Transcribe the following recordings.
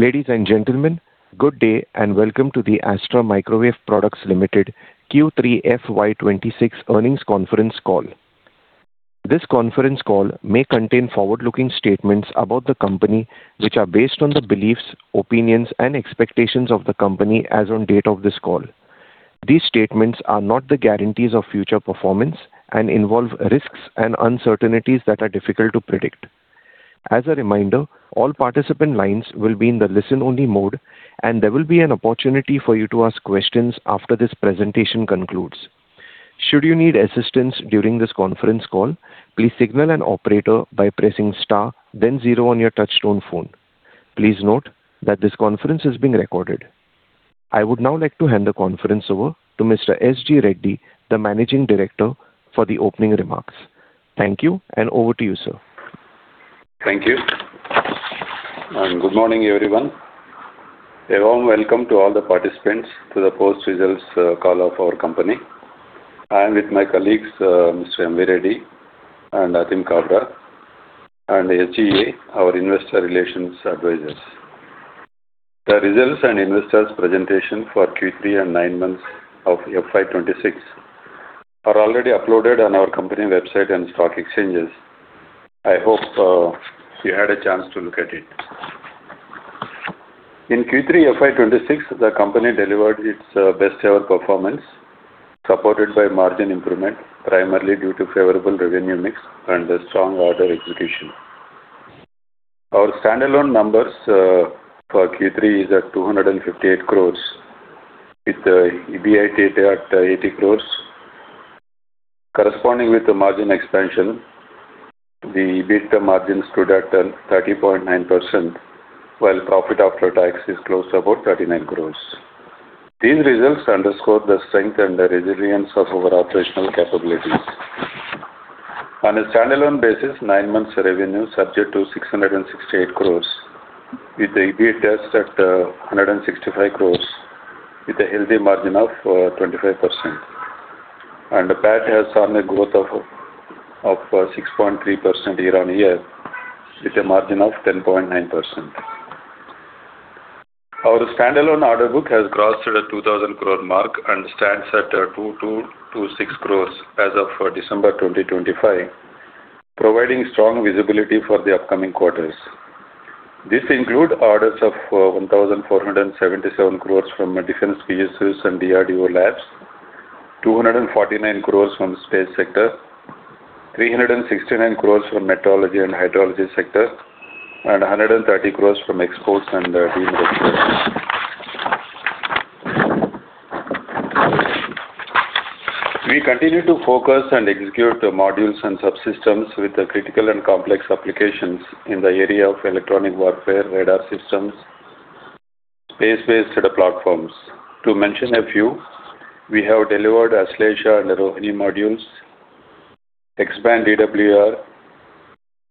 Ladies and gentlemen, good day, and welcome to the Astra Microwave Products Limited Q3 FY 2026 earnings conference call. This conference call may contain forward-looking statements about the company, which are based on the beliefs, opinions, and expectations of the company as on date of this call. These statements are not the guarantees of future performance and involve risks and uncertainties that are difficult to predict. As a reminder, all participant lines will be in the listen-only mode, and there will be an opportunity for you to ask questions after this presentation concludes. Should you need assistance during this conference call, please signal an operator by pressing Star, then zero on your touchtone phone. Please note that this conference is being recorded. I would now like to hand the conference over to Mr. S. G. Reddy, the Managing Director, for the opening remarks. Thank you, and over to you, sir. Thank you, and good morning, everyone. A warm welcome to all the participants to the post-results call of our company. I'm with my colleagues, Mr. M. V. Reddy and Atim Kabra, and HEA, our investor relations advisors. The results and investors presentation for Q3 and nine months of FY 2026 are already uploaded on our company website and stock exchanges. I hope you had a chance to look at it. In Q3 FY 2026, the company delivered its best-ever performance, supported by margin improvement, primarily due to favorable revenue mix and a strong order execution. Our standalone numbers for Q3 is at 258 crore, with the EBIT at 80 crore. Corresponding with the margin expansion, the EBITDA margins stood at 30.9%, while profit after tax is close about 39 crore. These results underscore the strength and the resilience of our operational capabilities. On a standalone basis, nine months revenue subject to 668 crore, with the EBIT at 165 crore, with a healthy margin of 25%. PAT has earned a growth of 6.3% year-on-year, with a margin of 10.9%. Our standalone order book has crossed the 2,000 crore mark and stands at 2,226 crore as of December 2025, providing strong visibility for the upcoming quarters. This include orders of 1,477 crore from defense PSUs and DRDO labs, 249 crore from the space sector, 369 crore from meteorology and hydrology sector, and 130 crore from exports and regional. We continue to focus and execute the modules and subsystems with the critical and complex applications in the area of electronic warfare, radar systems, space-based data platforms. To mention a few, we have delivered Aslesha and Rohini modules, X-Band DWR,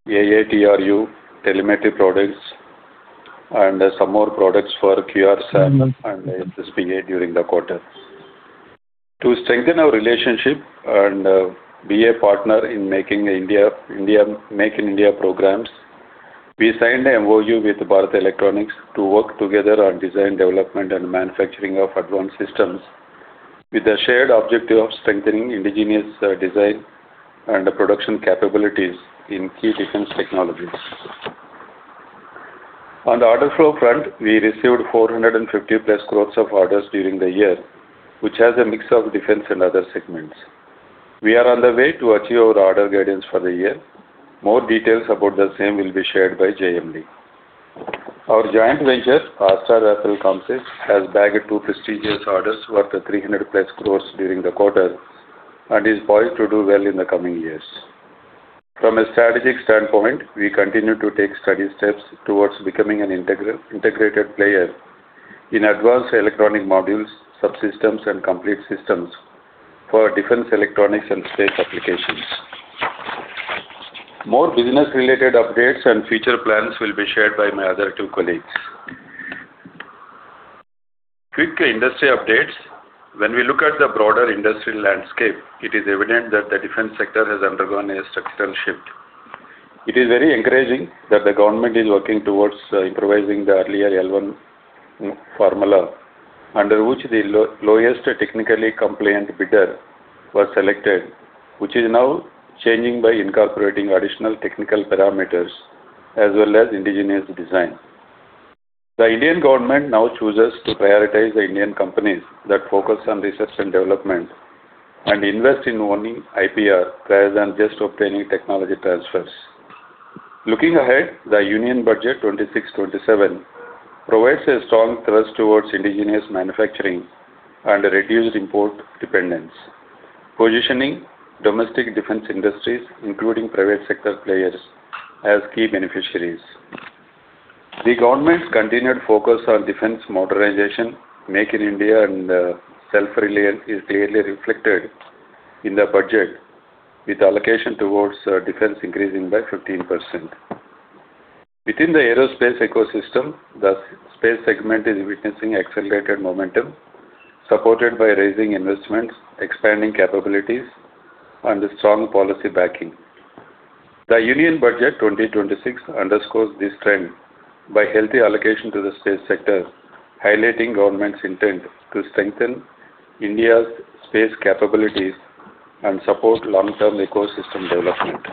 AATRU, telemetric products, and some more products for QR-SAM and FSAPJ during the quarter. To strengthen our relationship and be a partner in making India, Make in India programs, we signed a MOU with Bharat Electronics to work together on design, development, and manufacturing of advanced systems, with a shared objective of strengthening indigenous design and the production capabilities in key defense technologies. On the order flow front, we received 450+ crores of orders during the year, which has a mix of defense and other segments. We are on the way to achieve our order guidance for the year. More details about the same will be shared by JMD. Our joint venture, Astra Rafale Comsys, has bagged two prestigious orders worth 300+ crores during the quarter, and is poised to do well in the coming years. From a strategic standpoint, we continue to take steady steps towards becoming an integral, integrated player in advanced electronic modules, subsystems, and complete systems for defense, electronics, and space applications. More business-related updates and future plans will be shared by my other two colleagues. Quick industry updates. When we look at the broader industry landscape, it is evident that the defense sector has undergone a structural shift. It is very encouraging that the government is working towards improvising the earlier L1 formula, under which the lowest technically compliant bidder was selected, which is now changing by incorporating additional technical parameters as well as indigenous design. The Indian government now chooses to prioritize the Indian companies that focus on research and development, and invest in owning IPR rather than just obtaining technology transfers. Looking ahead, the Union Budget 2026-2027 provides a strong thrust towards indigenous manufacturing and reduced import dependence, positioning domestic defense industries, including private sector players, as key beneficiaries. The government's continued focus on defense modernization, Make in India, and self-reliance is clearly reflected in the budget, with allocation towards defense increasing by 15%. Within the aerospace ecosystem, the space segment is witnessing accelerated momentum, supported by raising investments, expanding capabilities, and a strong policy backing. The Union Budget 2026 underscores this trend by healthy allocation to the space sector, highlighting government's intent to strengthen India's space capabilities and support long-term ecosystem development.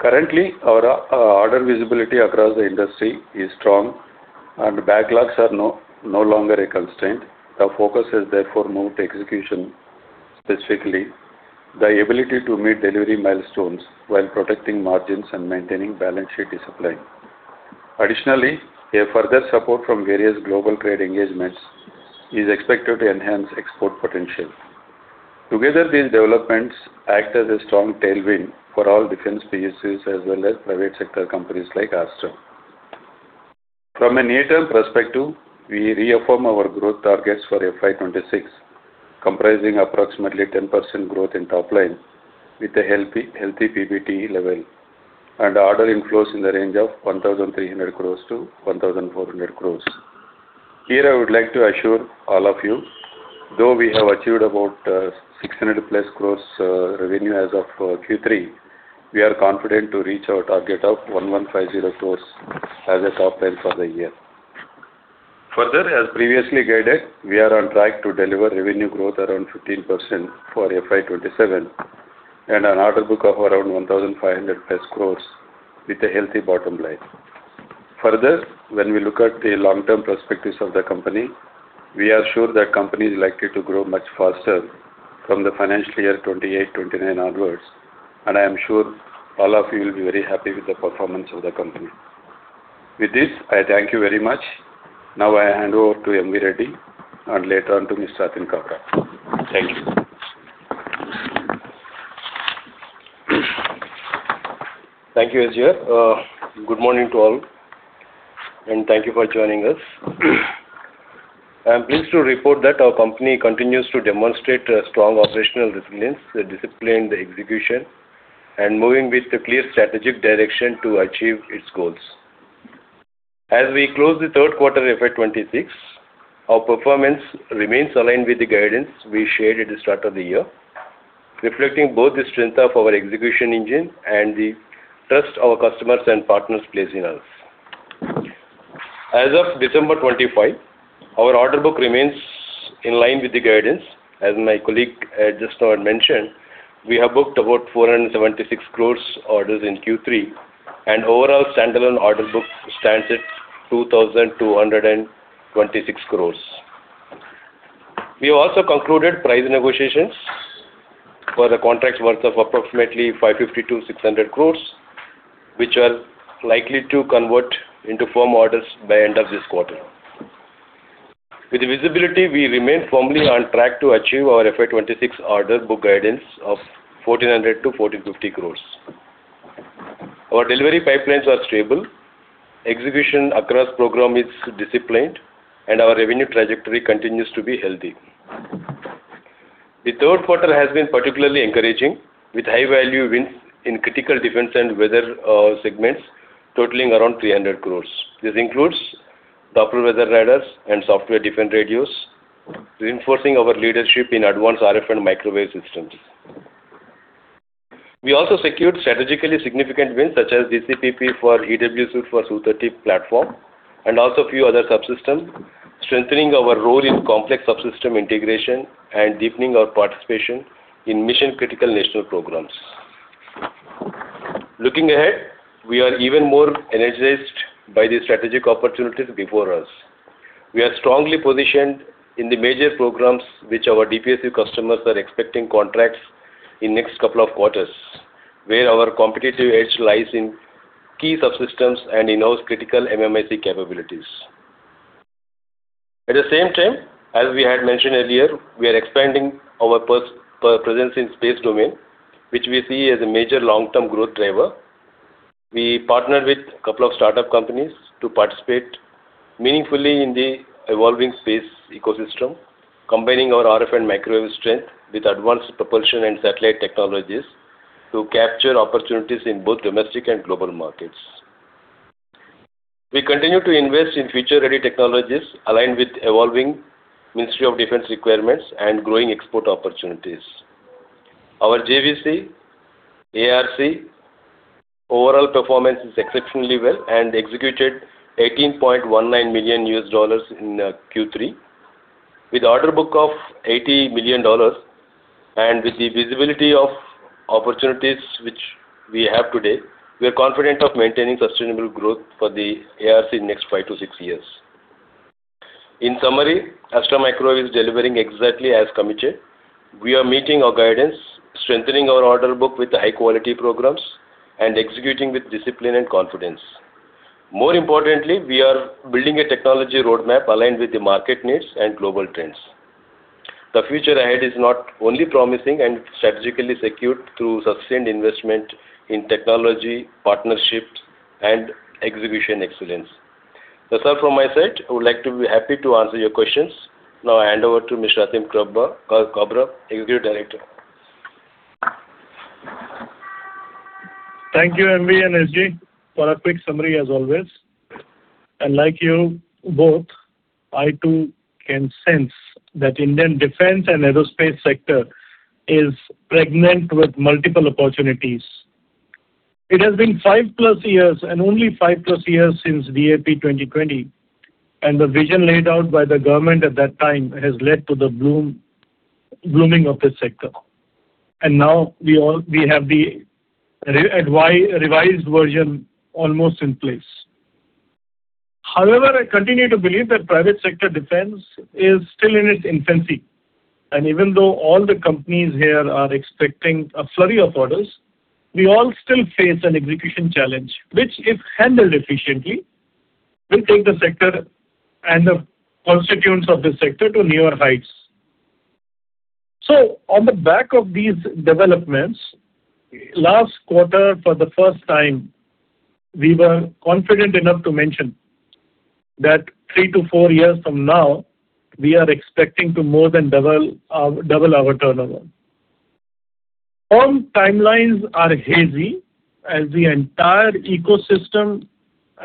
Currently, our order visibility across the industry is strong and backlogs are no longer a constraint. The focus has therefore moved to execution, specifically the ability to meet delivery milestones while protecting margins and maintaining balance sheet discipline. Additionally, a further support from various global trade engagements is expected to enhance export potential. Together, these developments act as a strong tailwind for all defense PSUs as well as private sector companies like Astra. From a near-term perspective, we reaffirm our growth targets for FY 2026, comprising approximately 10% growth in top line, with a healthy PBT level and order inflows in the range of 1,300 crores-1,400 crores. Here, I would like to assure all of you, though we have achieved about 600+ crores revenue as of Q3, we are confident to reach our target of 1,150 crores as a top line for the year. Further, as previously guided, we are on track to deliver revenue growth around 15% for FY 2027, and an order book of around 1,500+ crores with a healthy bottom line. Further, when we look at the long-term perspectives of the company, we are sure that company is likely to grow much faster from the financial year 2028, 2029 onwards, and I am sure all of you will be very happy with the performance of the company. With this, I thank you very much. Now, I hand over to M. V. Reddy and later on to Mr. Atim Kabra. Thank you. Thank you, SG. Good morning to all, and thank you for joining us. I am pleased to report that our company continues to demonstrate a strong operational resilience, the discipline, the execution, and moving with a clear strategic direction to achieve its goals. As we close the third quarter FY 2026, our performance remains aligned with the guidance we shared at the start of the year, reflecting both the strength of our execution engine and the trust our customers and partners place in us. As of December 25, our order book remains in line with the guidance. As my colleague just now had mentioned, we have booked about 476 crores orders in Q3, and overall standalone order book stands at 2,226 crores. We also concluded price negotiations for the contracts worth of approximately 550-600 crores, which are likely to convert into firm orders by end of this quarter. With the visibility, we remain firmly on track to achieve our FY 2026 order book guidance of 1,400-1,450 crores. Our delivery pipelines are stable, execution across program is disciplined, and our revenue trajectory continues to be healthy. The third quarter has been particularly encouraging, with high-value wins in critical defense and weather segments totaling around 300 crores. This includes Doppler weather radars and software-defined radios, reinforcing our leadership in advanced RF and microwave systems. We also secured strategically significant wins, such as DcPP for EW suite for Su-30 platform, and also a few other subsystems, strengthening our role in complex subsystem integration and deepening our participation in mission-critical national programs. Looking ahead, we are even more energized by the strategic opportunities before us. We are strongly positioned in the major programs which our DPSU customers are expecting contracts in next couple of quarters, where our competitive edge lies in key subsystems and in-house critical MMIC capabilities. At the same time, as we had mentioned earlier, we are expanding our presence in space domain, which we see as a major long-term growth driver. We partnered with a couple of startup companies to participate meaningfully in the evolving space ecosystem, combining our RF and microwave strength with advanced propulsion and satellite technologies to capture opportunities in both domestic and global markets. We continue to invest in future-ready technologies aligned with evolving Ministry of Defense requirements and growing export opportunities. Our JVC, ARC, overall performance is exceptionally well and executed $18.19 million in Q3. With order book of $80 million, and with the visibility of opportunities which we have today, we are confident of maintaining sustainable growth for the ARC next 5-6 years. In summary, Astra Microwave is delivering exactly as committed. We are meeting our guidance, strengthening our order book with high-quality programs, and executing with discipline and confidence. More importantly, we are building a technology roadmap aligned with the market needs and global trends. The future ahead is not only promising and strategically secured through sustained investment in technology, partnerships, and execution excellence. That's all from my side. I would like to be happy to answer your questions. Now, I hand over to Mr. Atim Kabra, Executive Director.... Thank you, MV and SJ, for a quick summary as always. Like you both, I too can sense that Indian defense and aerospace sector is pregnant with multiple opportunities. It has been five-plus years, and only five-plus years since DAP 2020, and the vision laid out by the government at that time has led to the blooming of this sector. Now we all have the revised version almost in place. However, I continue to believe that private sector defense is still in its infancy, and even though all the companies here are expecting a flurry of orders, we all still face an execution challenge, which, if handled efficiently, will take the sector and the constituents of the sector to newer heights. So on the back of these developments, last quarter, for the first time, we were confident enough to mention that three to four years from now, we are expecting to more than double our, double our turnover. All timelines are hazy, as the entire ecosystem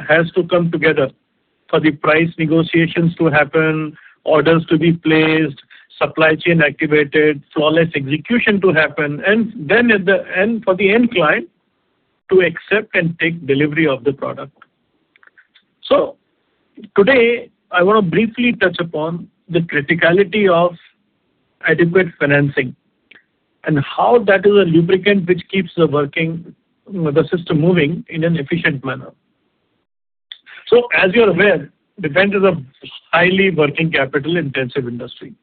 has to come together for the price negotiations to happen, orders to be placed, supply chain activated, flawless execution to happen, and then at the end, for the end client to accept and take delivery of the product. So today, I want to briefly touch upon the criticality of adequate financing and how that is a lubricant which keeps the working, the system moving in an efficient manner. So, as you're aware, defense is a highly working capital-intensive industry.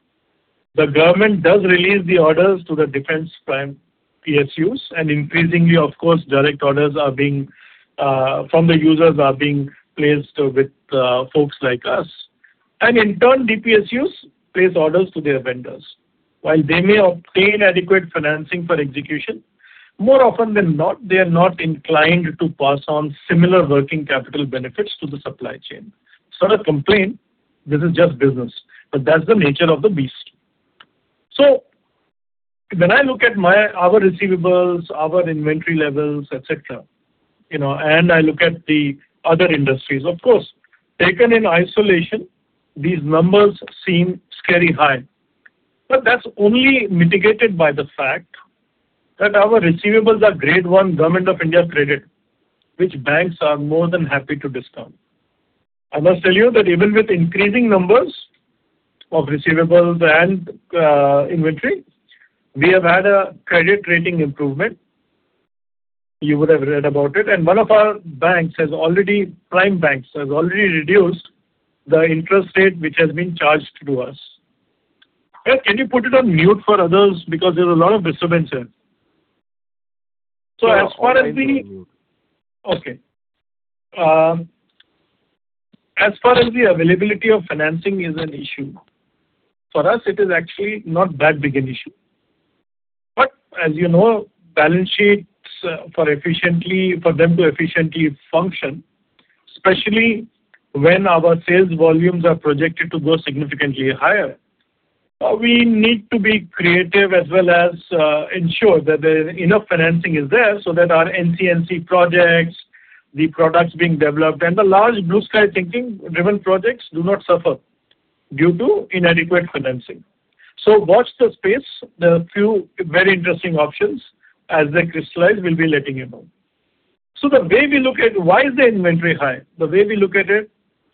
The government does release the orders to the defense prime PSUs, and increasingly, of course, direct orders are being from the users are being placed with folks like us. And in turn, DPSUs place orders to their vendors. While they may obtain adequate financing for execution, more often than not, they are not inclined to pass on similar working capital benefits to the supply chain. It's not a complaint, this is just business, but that's the nature of the beast. So when I look at our receivables, our inventory levels, et cetera, you know, and I look at the other industries, of course, taken in isolation, these numbers seem scary high. But that's only mitigated by the fact that our receivables are grade one, Government of India credit, which banks are more than happy to discount. I must tell you that even with increasing numbers of receivables and inventory, we have had a credit rating improvement. You would have read about it. One of our prime banks has already reduced the interest rate, which has been charged to us. Hey, can you put it on mute for others? Because there's a lot of disturbance here. So as far as the- Okay. As far as the availability of financing is an issue, for us, it is actually not that big an issue. But as you know, balance sheets for efficiently, for them to efficiently function, especially when our sales volumes are projected to go significantly higher, we need to be creative as well as, ensure that there is enough financing is there, so that our NCNC projects, the products being developed, and the large blue-sky thinking-driven projects do not suffer due to inadequate financing. So watch this space. There are a few very interesting options, as the next slide will be letting you know. So the way we look at why is the inventory high? The way we look at it,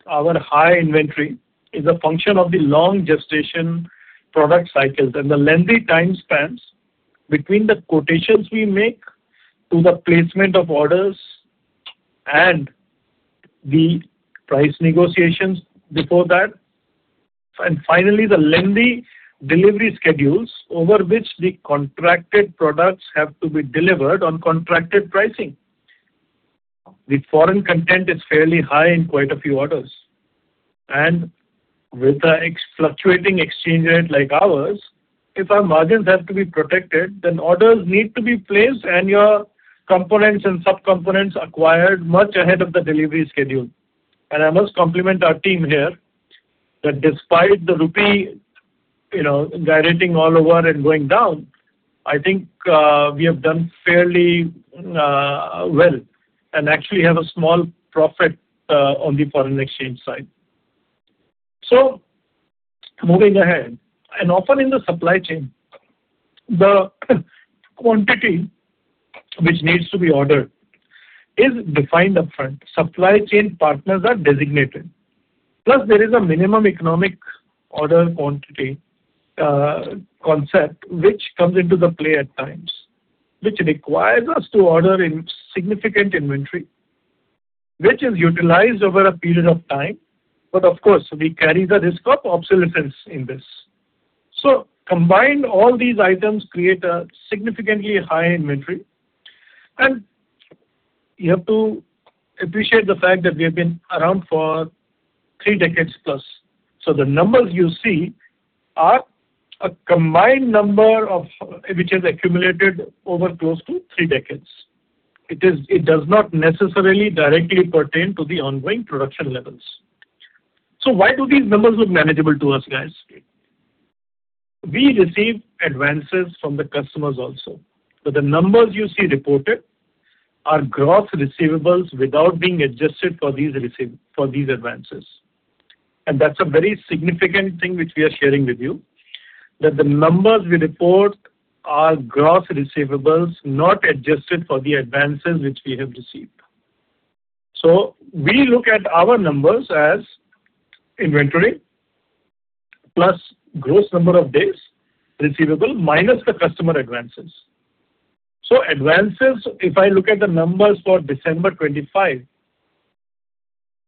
our high inventory is a function of the long gestation product cycles and the lengthy time spans between the quotations we make to the placement of orders and the price negotiations before that. And finally, the lengthy delivery schedules over which the contracted products have to be delivered on contracted pricing. The foreign content is fairly high in quite a few orders, and with a fluctuating exchange rate like ours, if our margins have to be protected, then orders need to be placed, and your components and subcomponents acquired much ahead of the delivery schedule. And I must compliment our team here, that despite the rupee, you know, gyrating all over and going down, I think, we have done fairly well, and actually have a small profit on the foreign exchange side. So moving ahead, and often in the supply chain, the quantity which needs to be ordered is defined upfront. Supply chain partners are designated. Plus, there is a minimum economic order quantity concept, which comes into the play at times, which requires us to order in significant inventory, which is utilized over a period of time. But of course, we carry the risk of obsolescence in this. So combined, all these items create a significantly high inventory, and you have to appreciate the fact that we have been around for three decades plus. So the numbers you see are a combined number of which has accumulated over close to three decades. It is, it does not necessarily directly pertain to the ongoing production levels. So why do these numbers look manageable to us, guys? We receive advances from the customers also. The numbers you see reported are gross receivables without being adjusted for these advances. That's a very significant thing which we are sharing with you, that the numbers we report are gross receivables, not adjusted for the advances which we have received. We look at our numbers as inventory, plus gross number of days receivable, minus the customer advances. Advances, if I look at the numbers for December 25,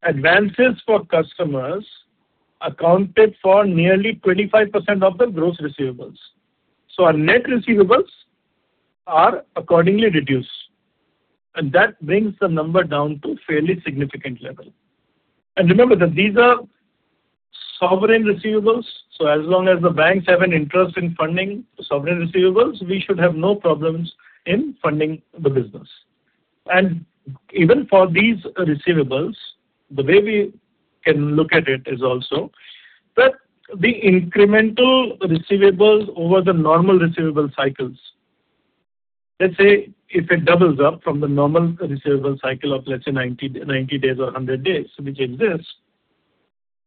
advances for customers accounted for nearly 25% of the gross receivables. Our net receivables are accordingly reduced, and that brings the number down to a fairly significant level. Remember that these are sovereign receivables, so as long as the banks have an interest in funding sovereign receivables, we should have no problems in funding the business. Even for these receivables, the way we can look at it is also that the incremental receivables over the normal receivable cycles, let's say, if it doubles up from the normal receivable cycle of, let's say, 90, 90 days or 100 days, which exists,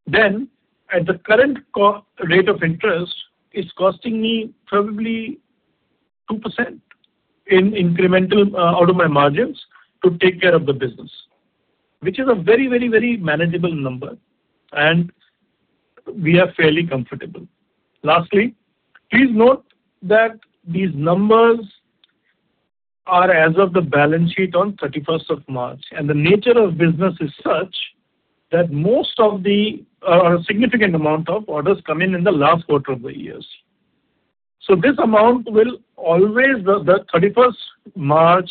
then at the current cost rate of interest, it's costing me probably 2% in incremental out of my margins to take care of the business. Which is a very, very, very manageable number, and we are fairly comfortable. Lastly, please note that these numbers are as of the balance sheet on March 31, and the nature of business is such that most of the or a significant amount of orders come in in the last quarter of the years. So this amount will always, the 31st March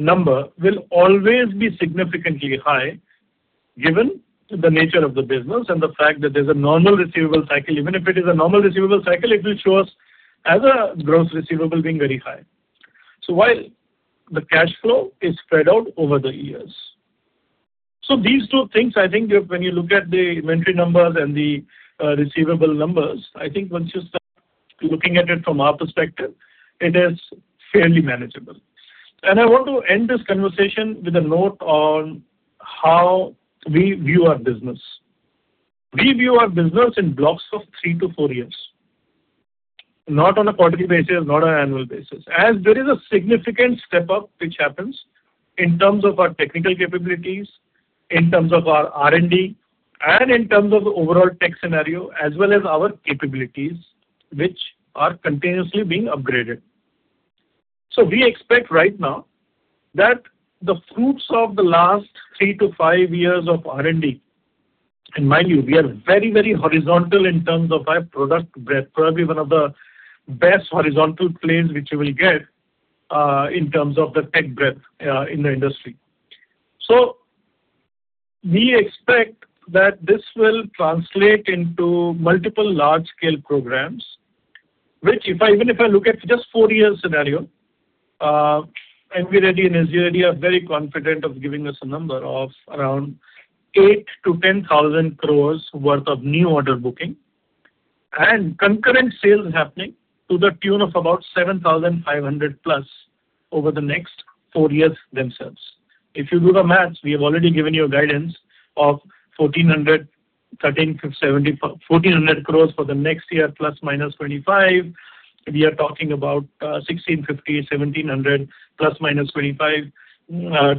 number will always be significantly high, given the nature of the business and the fact that there's a normal receivable cycle. Even if it is a normal receivable cycle, it will show us as a gross receivable being very high. So while the cash flow is spread out over the years. So these two things, I think, when you look at the inventory numbers and the receivable numbers, I think once you start looking at it from our perspective, it is fairly manageable. And I want to end this conversation with a note on how we view our business. We view our business in blocks of three to four years, not on a quarterly basis, not on an annual basis, as there is a significant step up which happens in terms of our technical capabilities, in terms of our R&D, and in terms of overall tech scenario, as well as our capabilities, which are continuously being upgraded. So we expect right now that the fruits of the last three to five years of R&D, and mind you, we are very, very horizontal in terms of our product breadth. Probably one of the best horizontal planes which you will get, in terms of the tech breadth, in the industry. So we expect that this will translate into multiple large-scale programs, which even if I look at just four years scenario, MV and SG are very confident of giving us a number of around 8,000-10,000 crore worth of new order booking and concurrent sales happening to the tune of about 7,500+ crore over the next four years themselves. If you do the math, we have already given you a guidance of 1,400 crore, 1,370-1,400 crore for the next year, ±25. We are talking about 1,650, 1,700, ±25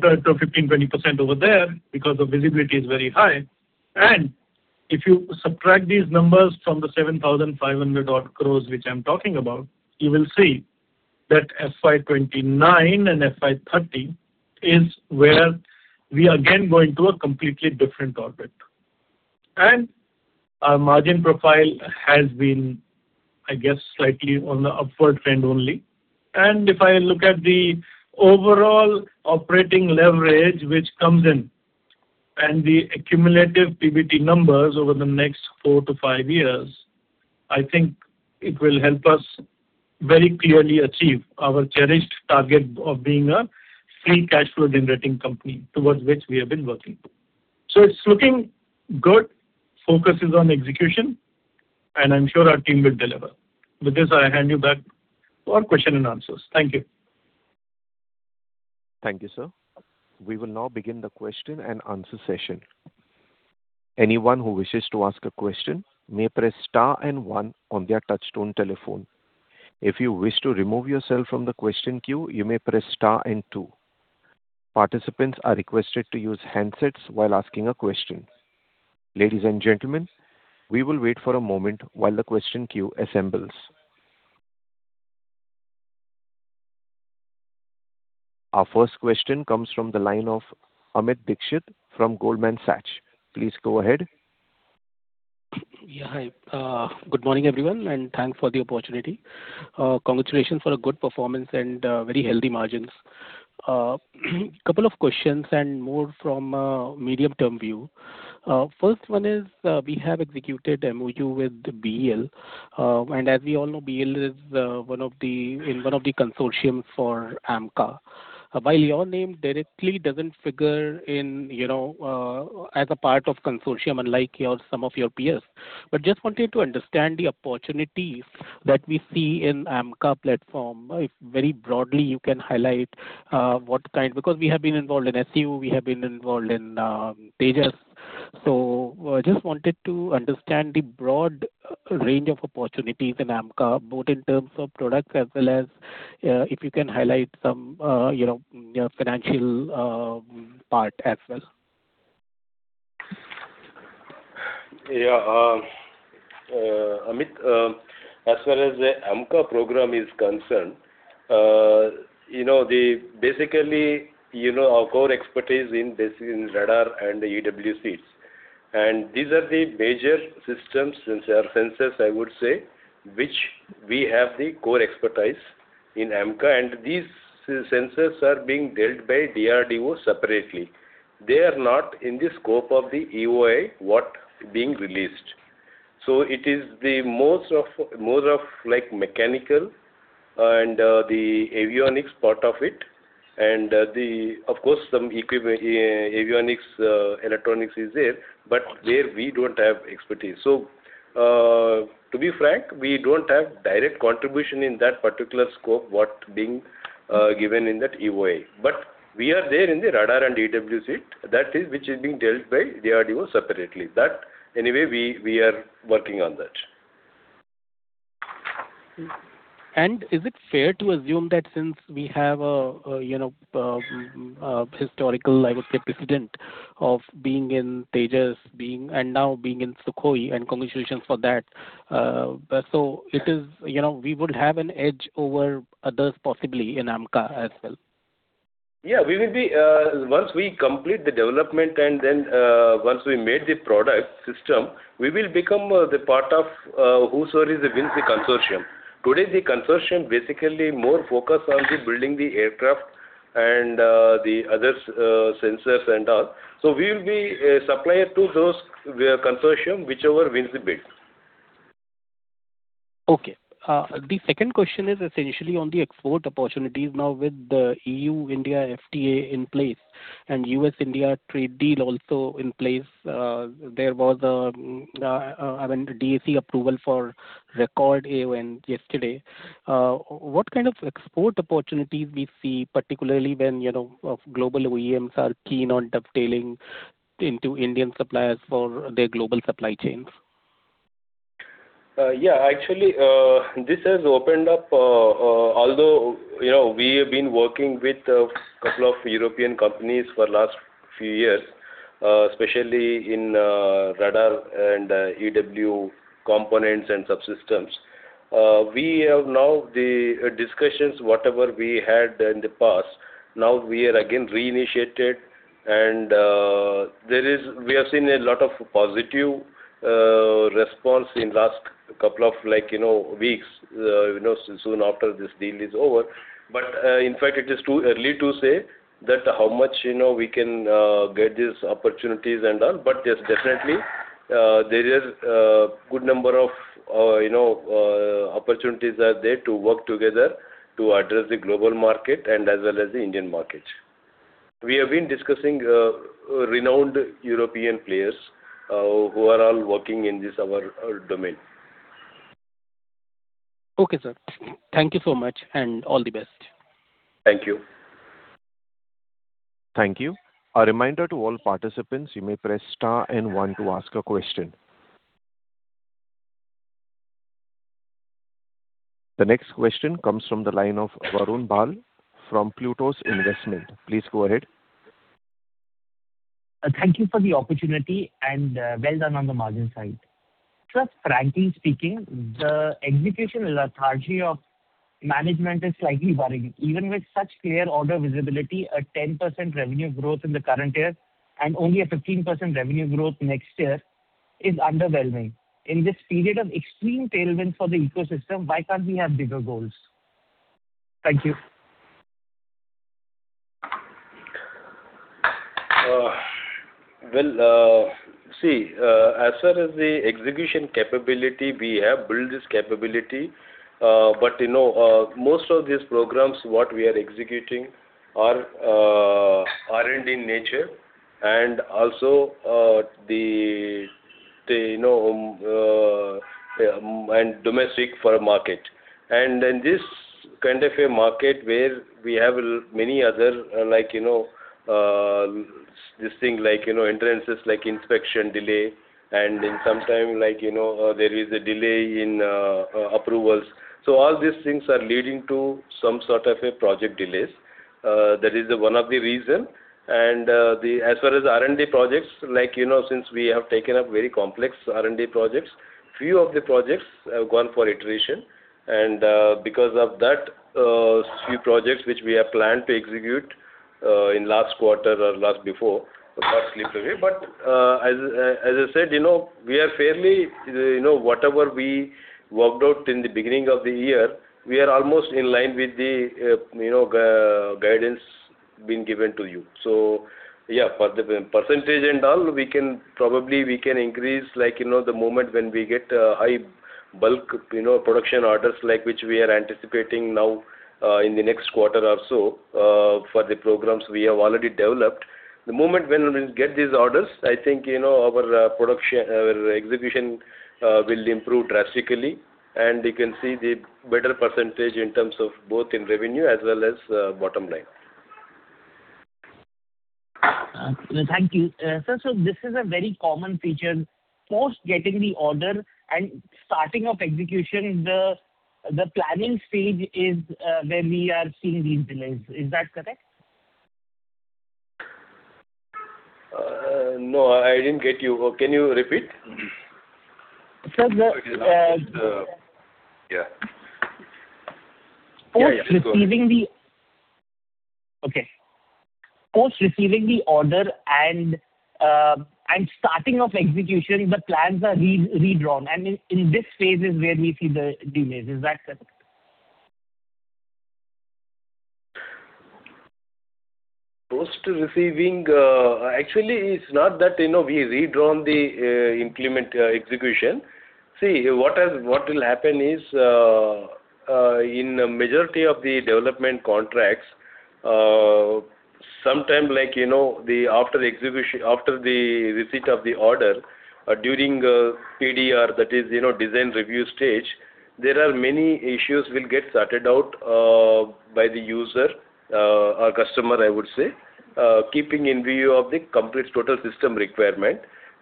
to 15%-20% over there, because the visibility is very high. If you subtract these numbers from the 7,500-odd crores, which I'm talking about, you will see that FY 2029 and FY 2030 is where we are again going to a completely different orbit. Our margin profile has been, I guess, slightly on the upward trend only. If I look at the overall operating leverage which comes in, and the accumulative PBT numbers over the next four to five years, I think it will help us very clearly achieve our cherished target of being a free cash flow generating company, towards which we have been working. So it's looking good. Focus is on execution, and I'm sure our team will deliver. With this, I hand you back for question and answers. Thank you. Thank you, sir. We will now begin the question and answer session. Anyone who wishes to ask a question may press star and one on their touchtone telephone. If you wish to remove yourself from the question queue, you may press star and two. Participants are requested to use handsets while asking a question. Ladies and gentlemen, we will wait for a moment while the question queue assembles. Our first question comes from the line of Amit Dixit from Goldman Sachs. Please go ahead. Yeah. Hi, good morning, everyone, and thanks for the opportunity. Congratulations for a good performance and, very healthy margins. Couple of questions and more from a medium-term view. First one is, we have executed MOU with the BL, and as we all know, BL is, one of the-- in one of the consortium for AMCA. While your name directly doesn't figure in, you know, as a part of consortium, unlike your, some of your peers. But just wanted to understand the opportunities that we see in AMCA platform. If very broadly, you can highlight, what kind-- Because we have been involved in SCU, we have been involved in, Tejas. Just wanted to understand the broad range of opportunities in AMCA, both in terms of products as well as, if you can highlight some, you know, your financial part as well. Yeah, Amit, as well as the AMCA program is concerned, you know, the basically, you know, our core expertise in this, in radar and the EW suites. And these are the major systems and sensors, I would say, which we have the core expertise in AMCA, and these sensors are being dealt by DRDO separately. They are not in the scope of the EOI, what being released. So it is the most of, more of like mechanical and, the avionics part of it. And, of course, some avionics, electronics is there, but there we don't have expertise. So, to be frank, we don't have direct contribution in that particular scope, what being, given in that EOI. But we are there in the radar and EW suite, that is, which is being dealt by DRDO separately. That, anyway, we are working on that. Is it fair to assume that since we have a you know historical I would say precedent of being in Tejas being and now being in Sukhoi and contributions for that so it is you know we would have an edge over others possibly in AMCA as well? Yeah, we will be, once we complete the development, and then, once we made the product system, we will become, the part of, whosoever is wins the consortium. Today, the consortium basically more focused on the building the aircraft and, the other, sensors and all. So we will be a supplier to those, consortium, whichever wins the bid. Okay. The second question is essentially on the export opportunities now with the EU-India FTA in place and U.S.-India trade deal also in place, there was a, I mean, DAC approval for recent AON yesterday. What kind of export opportunities we see, particularly when, you know, of global OEMs are keen on dovetailing into Indian suppliers for their global supply chains? Yeah, actually, this has opened up, although, you know, we have been working with a couple of European companies for last few years, especially in radar and EW components and subsystems. We have now the discussions, whatever we had in the past, now we are again reinitiated, and there is. We have seen a lot of positive response in last couple of, like, you know, weeks, you know, soon after this deal is over. But, in fact, it is too early to say that how much, you know, we can get these opportunities and all. But yes, definitely, there is good number of, you know, opportunities are there to work together to address the global market and as well as the Indian market. We have been discussing renowned European players who are all working in this, our domain. Okay, sir. Thank you so much, and all the best. Thank you. Thank you. A reminder to all participants, you may press star and one to ask a question. The next question comes from the line of Varun Bahl from Plutus Investment. Please go ahead. Thank you for the opportunity, and, well done on the margin side. Sir, frankly speaking, the execution lethargy of management is slightly worrying. Even with such clear order visibility, a 10% revenue growth in the current year and only a 15% revenue growth next year is underwhelming. In this period of extreme tailwind for the ecosystem, why can't we have bigger goals? Thank you. Well, see, as far as the execution capability, we have built this capability, but, you know, most of these programs what we are executing are R&D in nature, and also the domestic market. And then this kind of a market where we have many other, like, you know, this thing like, you know, instances, like inspection delay, and then sometimes, like, you know, there is a delay in approvals. So all these things are leading to some sort of a project delays. That is one of the reasons. And as far as R&D projects, like, you know, since we have taken up very complex R&D projects, few of the projects have gone for iteration. Because of that, few projects which we have planned to execute in last quarter or last before got slipped away. But as I said, you know, we are fairly, you know, whatever we worked out in the beginning of the year, we are almost in line with the, you know, guidance being given to you. So yeah, for the percentage and all, we can probably, we can increase, like, you know, the moment when we get a high bulk, you know, production orders, like which we are anticipating now in the next quarter or so for the programs we have already developed. The moment when we'll get these orders, I think, you know, our production, our execution, will improve drastically, and you can see the better percentage in terms of both in revenue as well as bottom line. Thank you. Sir, so this is a very common feature. Post getting the order and starting of execution, the, the planning stage is, where we are seeing these delays. Is that correct? No, I didn't get you. Can you repeat? Sir, the- Yeah. Post receiving the order and starting of execution, the plans are redrawn, and in this phase is where we see the delays. Is that correct? Post receiving, actually, it's not that, you know, we've redrawn the implement execution. See, what has, what will happen is, in the majority of the development contracts, sometime like, you know, the after execution—after the receipt of the order, during PDR, that is, you know, design review stage, there are many issues will get sorted out, by the user or customer, I would say, keeping in view of the complete total system requirement.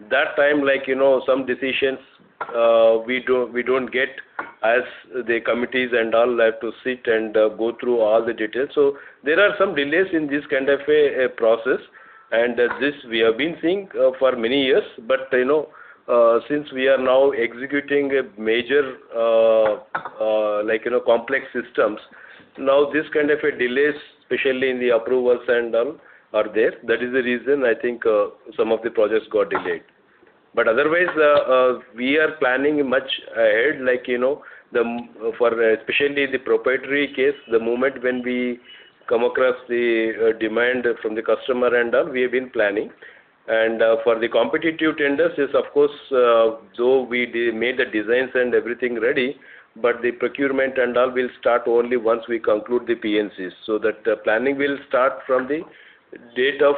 That time, like, you know, some decisions we don't, we don't get, as the committees and all have to sit and go through all the details. So there are some delays in this kind of a process, and this we have been seeing for many years. But, you know, since we are now executing a major, like, you know, complex systems, now this kind of a delays, especially in the approvals and all, are there. That is the reason I think, some of the projects got delayed. But otherwise, we are planning much ahead, like, you know, for especially the proprietary case, the moment when we come across the, demand from the customer and all, we have been planning. And, for the competitive tenders, yes, of course, though we made the designs and everything ready, but the procurement and all will start only once we conclude the PNCs. So that the planning will start from the date of,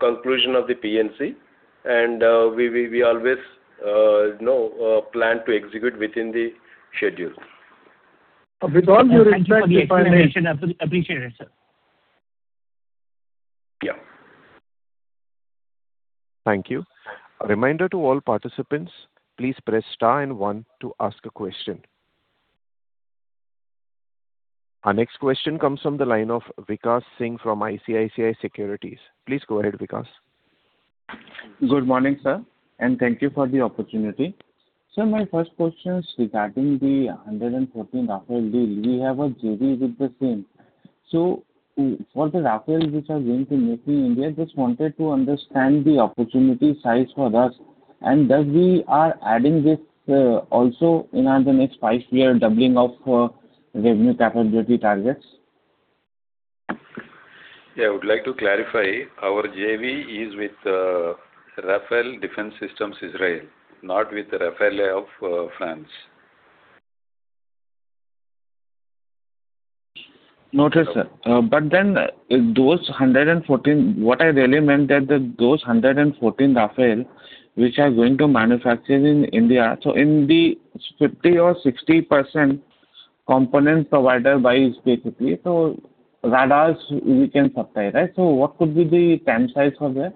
conclusion of the PNC, and, we always, you know, plan to execute within the schedule. Vidal, you're in fact- Thank you for the explanation. I appreciate it, sir. Yeah. Thank you. A reminder to all participants, please press star and one to ask a question. Our next question comes from the line of Vikas Singh from ICICI Securities. Please go ahead, Vikas. Good morning, sir, and thank you for the opportunity. Sir, my first question is regarding the 114 Rafale deal. We have a JV with the same. So for the Rafale, which are going to make in India, just wanted to understand the opportunity size for us, and does we are adding this also in our the next five-year doubling of revenue capability targets? Yeah, I would like to clarify. Our JV is with Rafale Advanced Defense Systems, Israel, not with Rafale of France. Noted, sir. But then those 114, what I really meant that the those 114 Rafale, which are going to manufacture in India, so in the 50% or 60% component provided by basically, so radars we can supply, right? So what could be the time size for that?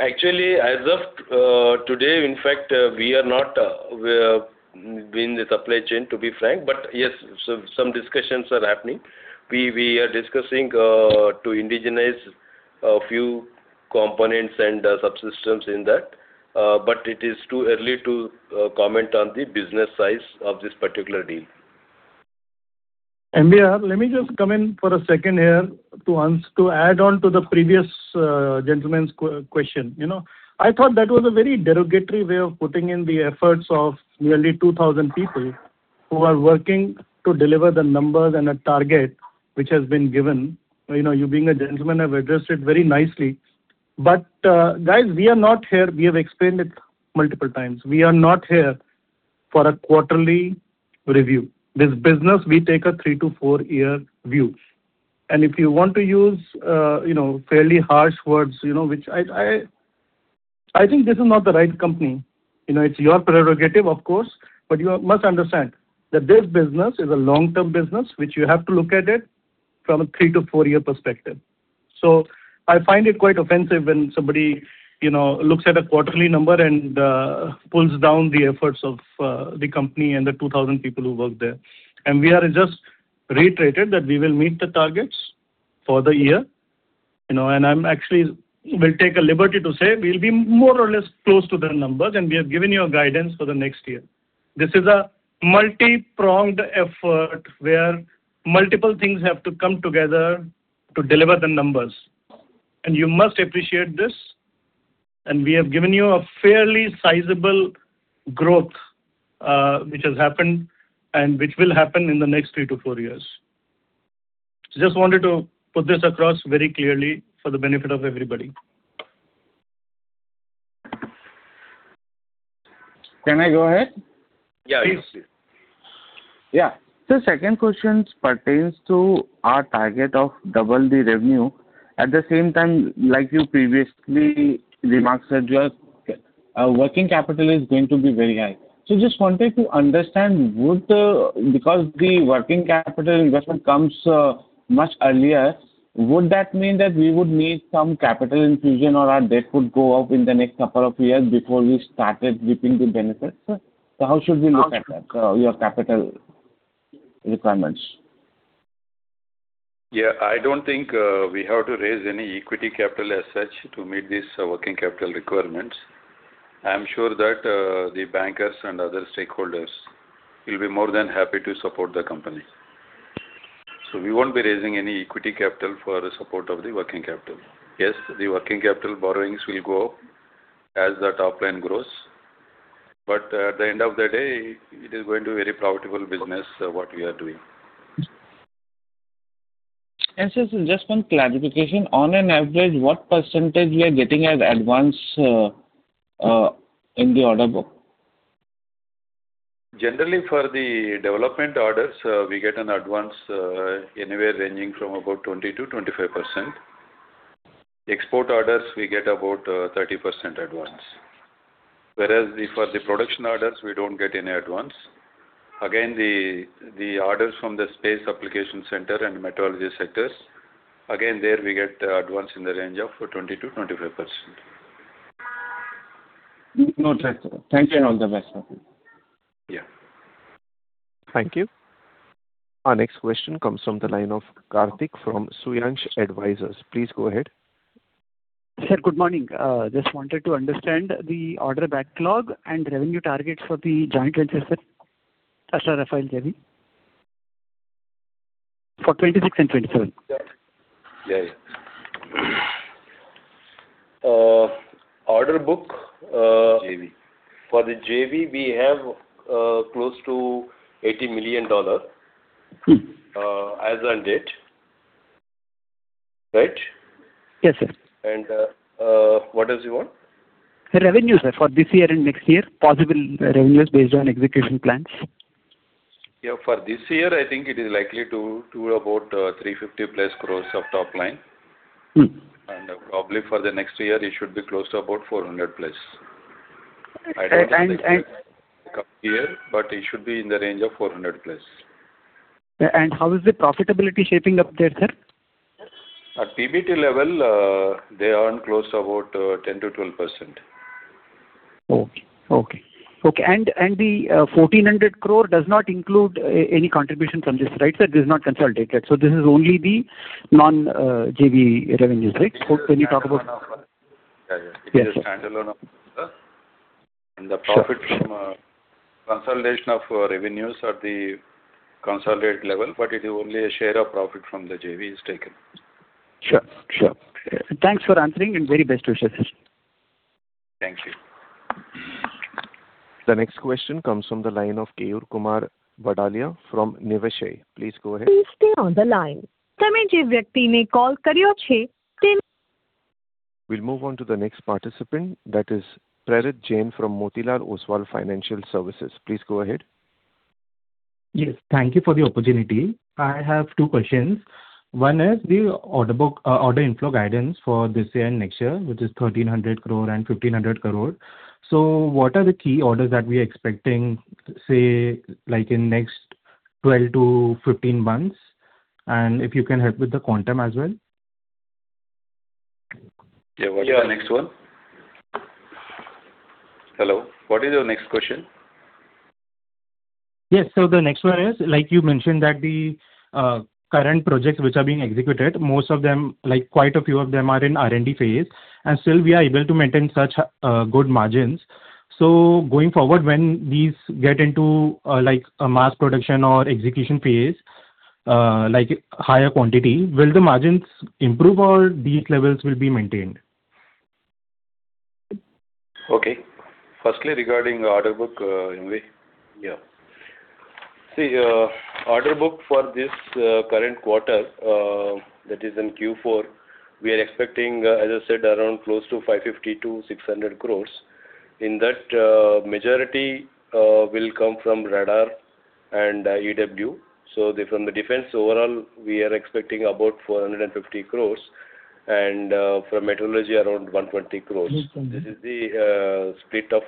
Actually, as of today, in fact, we are not, we are in the supply chain, to be frank, but yes, some discussions are happening. We are discussing to indigenize a few components and subsystems in that, but it is too early to comment on the business size of this particular deal. Let me just come in for a second here to add on to the previous gentleman's question. You know, I thought that was a very derogatory way of putting in the efforts of nearly 2,000 people who are working to deliver the numbers and a target which has been given. You know, you, being a gentleman, have addressed it very nicely. But, guys, we are not here. We have explained it multiple times. We are not here for a quarterly review. This business, we take a three to fouyear view. And if you want to use, you know, fairly harsh words, you know, which I think this is not the right company. You know, it's your prerogative, of course, but you must understand that this business is a long-term business, which you have to look at it from a three to four year perspective. So I find it quite offensive when somebody, you know, looks at a quarterly number and pulls down the efforts of the company and the 2,000 people who work there. And we are just reiterated that we will meet the targets for the year, you know, and I'm actually will take a liberty to say we'll be more or less close to the numbers, and we have given you a guidance for the next year. This is a multipronged effort where multiple things have to come together to deliver the numbers, and you must appreciate this. We have given you a fairly sizable growth, which has happened and which will happen in the next three to four years.... So, just wanted to put this across very clearly for the benefit of everybody. Can I go ahead? Yeah, please. Yeah. The second question pertains to our target of double the revenue. At the same time, like you previously remarked, sir, just, working capital is going to be very high. So just wanted to understand, would the—because the working capital investment comes, much earlier, would that mean that we would need some capital infusion or our debt would go up in the next couple of years before we started reaping the benefits? So how should we look at that, your capital requirements? Yeah, I don't think we have to raise any equity capital as such to meet these working capital requirements. I'm sure that the bankers and other stakeholders will be more than happy to support the company. So we won't be raising any equity capital for the support of the working capital. Yes, the working capital borrowings will go up as the top line grows, but at the end of the day, it is going to be very profitable business, what we are doing. Sir, just one clarification. On an average, what percentage we are getting as advance in the order book? Generally, for the development orders, we get an advance, anywhere ranging from about 20-25%. Export orders, we get about, 30% advance. Whereas the, for the production orders, we don't get any advance. Again, the, the orders from the Space Application Centre and Meteorology sectors, again, there we get the advance in the range of 20%-25%. No, thank you, and all the best for you. Yeah. Thank you. Our next question comes from the line of Karthi Keyan from Suyash Advisors. Please go ahead. Sir, good morning. Just wanted to understand the order backlog and revenue targets for the joint venture, sir, Astra Rafale JV. For 2026 and 2027. Yeah, yeah. Order book, JV. For the JV, we have close to $80 million as on date. Right? Yes, sir. What else you want? Revenue, sir, for this year and next year, possible revenues based on execution plans. Yeah, for this year, I think it is likely to about 350+ crore of top line. Mm. Probably for the next year, it should be close to about 400+. And, and, and- Here, but it should be in the range of 400+. How is the profitability shaping up there, sir? At PBT level, they earn close to about 10%-12%. Okay. Okay. Okay, and, and the 1,400 crore does not include any contribution from this, right, sir? This is not consolidated, so this is only the non-JV revenues, right? So when you talk about- Yeah, yeah. Yes. It is a standalone, and the profit from consolidation of revenues at the consolidated level, but it is only a share of profit from the JV is taken. Sure, sure. Thanks for answering, and very best wishes, sir. Thank you. The next question comes from the line of Keyurkumar Vadalia from Niveshaay. Please go ahead. We'll move on to the next participant. That is Prerit Jain from Motilal Oswal Financial Services. Please go ahead. Yes, thank you for the opportunity. I have two questions. One is the order book, order inflow guidance for this year and next year, which is 1,300 crore and 1,500 crore. So what are the key orders that we are expecting, say, like in next 12 to 15 months? And if you can help with the quantum as well. Yeah, what's your next one? Hello, what is your next question? Yes, so the next one is, like you mentioned, that the current projects which are being executed, most of them, like quite a few of them, are in R&D phase, and still we are able to maintain such good margins. So going forward, when these get into, like, a mass production or execution phase, like higher quantity, will the margins improve, or these levels will be maintained? Okay. Firstly, regarding order book, yeah. See, order book for this current quarter, that is in Q4, we are expecting, as I said, around close to 550-600 crores. In that, majority will come from radar and EW. So the, from the defense overall, we are expecting about 450 crores and, from meteorology, around 120 crores. Mm-hmm. This is the split of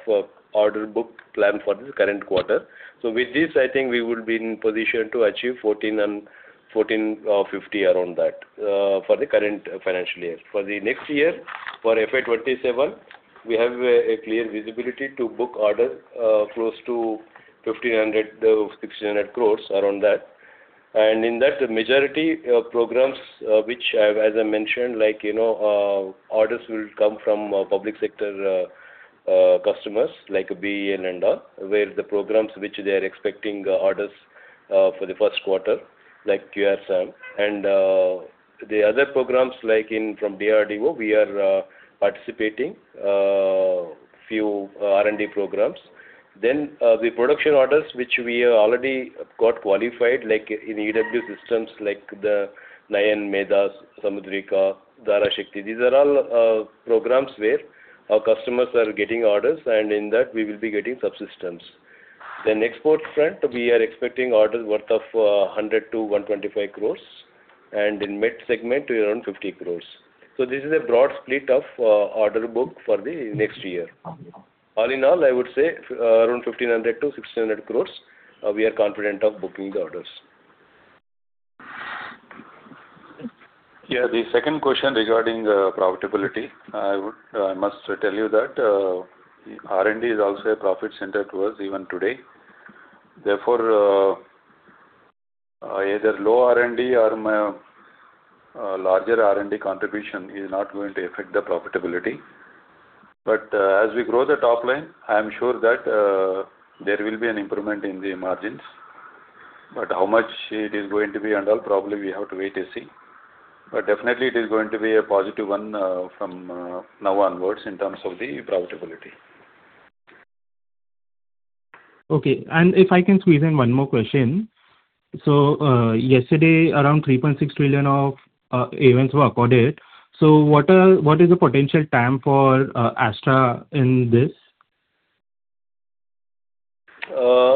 order book plan for the current quarter. So with this, I think we would be in position to achieve 1,400 and 1,450 around that for the current financial year. For the next year, for FY 2027, we have a clear visibility to book order close to 1,500-1,600 crores, around that. And in that, the majority programs which I've as I mentioned, like, you know, orders will come from public sector customers, like BEL and all, where the programs which they are expecting orders for the first quarter, like QR-SAM and... The other programs, like in from DRDO, we are participating few R&D programs. Then the production orders which we have already got qualified, like in EW systems, like the Nayan, MeDAS, Samudrika, Dhara Shakti. These are all programs where our customers are getting orders, and in that we will be getting subsystems. Then export front, we are expecting orders worth of hundred to one twenty-five crores, and in mid-segment, around fifty crores. So this is a broad split of order book for the next year. All in all, I would say around fifteen hundred to sixteen hundred crores we are confident of booking the orders. Yeah, the second question regarding profitability, I would—I must tell you that R&D is also a profit center to us even today. Therefore, either low R&D or larger R&D contribution is not going to affect the profitability. But as we grow the top line, I am sure that there will be an improvement in the margins. But how much it is going to be and all, probably we have to wait and see. But definitely it is going to be a positive one from now onwards in terms of the profitability. Okay. If I can squeeze in one more question. Yesterday, around 3.6 trillion of AONs were accorded. What are, what is the potential TAM for Astra in this?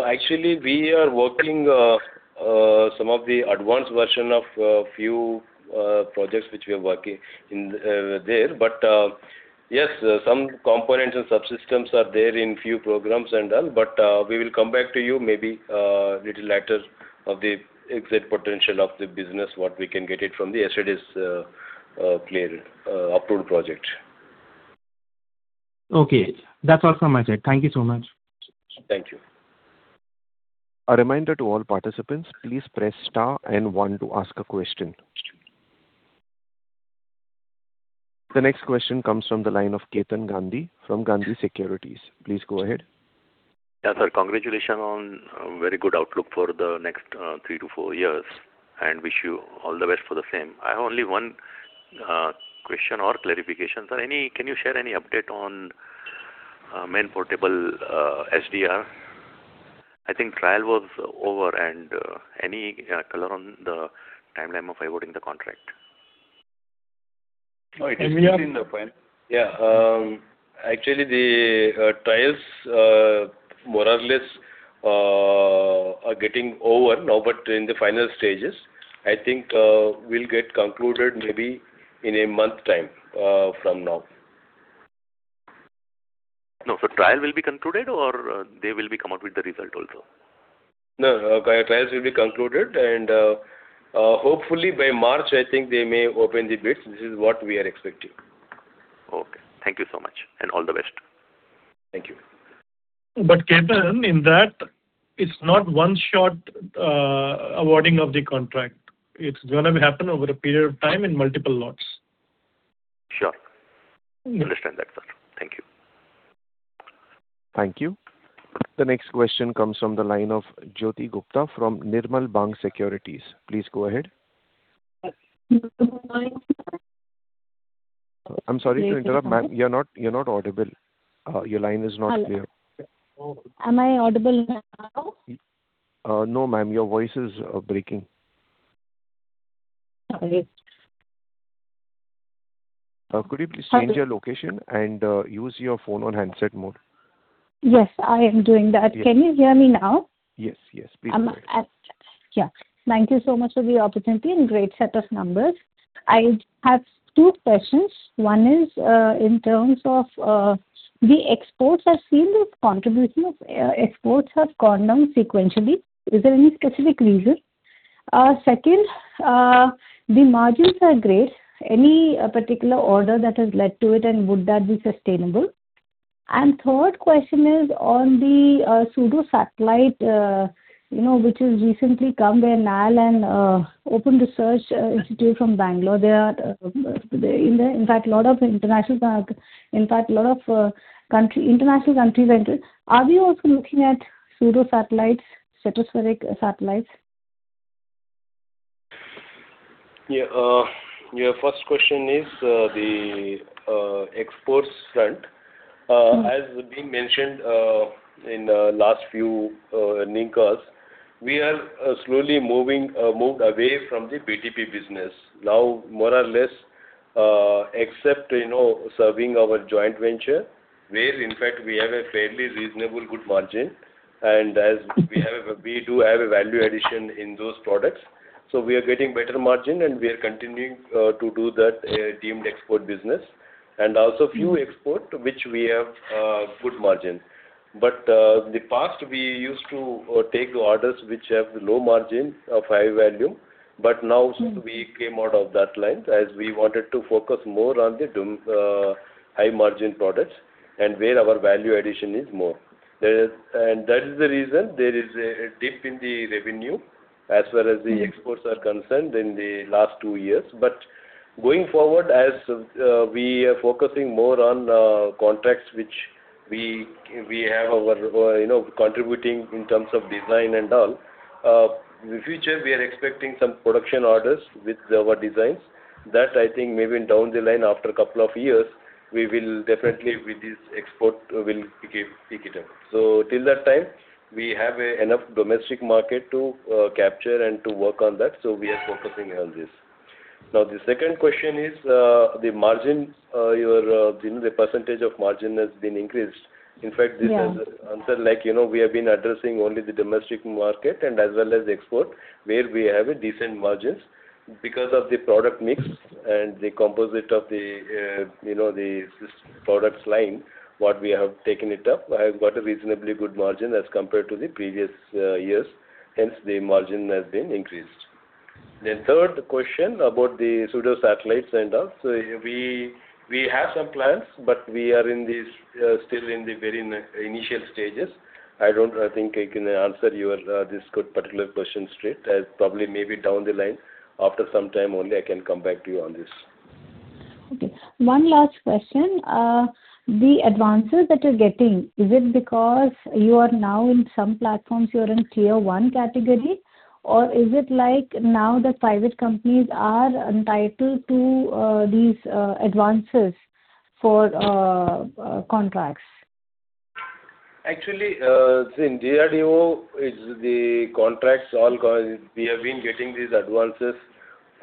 Actually, we are working some of the advanced version of few projects which we are working in there. But yes, some components and subsystems are there in few programs and all, but we will come back to you maybe little later of the exact potential of the business, what we can get it from the yesterday's cleared approved project. Okay. That's all from my side. Thank you so much. Thank you. A reminder to all participants, please press star and one to ask a question. The next question comes from the line of Ketan Gandhi from Gandhi Securities. Please go ahead. Yeah, sir. Congratulations on a very good outlook for the next three to four years, and wish you all the best for the same. I have only one question or clarification. Sir, can you share any update on man-portable SDR? I think trial was over, and any color on the timeline of awarding the contract? Oh, it is in the plan. Yeah, actually, the trials, more or less, are getting over now, but in the final stages. I think, we'll get concluded maybe in a month time, from now. No, trial will be concluded, or they will come out with the result also? No, trials will be concluded, and, hopefully by March, I think they may open the bids. This is what we are expecting. Okay. Thank you so much, and all the best. Thank you. But, Ketan, in that, it's not one shot awarding of the contract. It's gonna happen over a period of time in multiple lots. Sure. I understand that, sir. Thank you. Thank you. The next question comes from the line of Jyoti Gupta from Nirmal Bang Securities. Please go ahead. I'm sorry to interrupt, ma'am. You're not, you're not audible. Your line is not clear. Am I audible now? No, ma'am, your voice is breaking. All right. Could you please change your location and use your phone on handset mode? Yes, I am doing that. Yes. Can you hear me now? Yes, yes, please go ahead. Yeah. Thank you so much for the opportunity and great set of numbers. I have two questions. One is, in terms of, the exports. I've seen the contribution of, exports have gone down sequentially. Is there any specific reason? Second, the margins are great. Any, particular order that has led to it, and would that be sustainable? And third question is on the, pseudo satellite, you know, which has recently come by NAL and, Open Research Institute from Bangalore. They are, in there. In fact, a lot of international bank-- In fact, a lot of, country, international countries are entered. Are you also looking at pseudo satellites, stratospheric satellites? Yeah, your first question is the exports front. As we mentioned in the last few earnings calls, we are slowly moving, moved away from the BTP business. Now, more or less, except, you know, serving our joint venture, where, in fact, we have a fairly reasonable good margin, and as we have a-- we do have a value addition in those products. So we are getting better margin, and we are continuing to do that deemed export business, and also few export, which we have good margin. But, in the past, we used to take orders which have low margin of high volume, but now we came out of that line as we wanted to focus more on the high-margin products and where our value addition is more. And that is the reason there is a dip in the revenue as well as the exports are concerned in the last two years. Going forward, as we are focusing more on contracts which we have our, you know, contributing in terms of design and all. In the future, we are expecting some production orders with our designs. That, I think, maybe down the line, after a couple of years, we will definitely with this export will pick it up. So till that time, we have a enough domestic market to capture and to work on that, so we are focusing on this. Now, the second question is the margin, your the percentage of margin has been increased. Yeah. In fact, this is answer, like, you know, we have been addressing only the domestic market and as well as export, where we have a decent margins. Because of the product mix and the composite of the, you know, the systems products line, what we have taken it up, I have got a reasonably good margin as compared to the previous, years. Hence, the margin has been increased. Then third question about the pseudo satellites and all. So we, we have some plans, but we are in these, still in the very initial stages. I don't, I think, I can answer your, this good particular question straight. As probably, maybe down the line, after some time only I can come back to you on this. Okay. One last question. The advances that you're getting, is it because you are now in some platforms, you are in tier one category? Or is it like now the private companies are entitled to these advances for contracts? Actually, see, in DRDO the contracts all go. We have been getting these advances